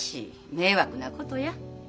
迷惑なことや。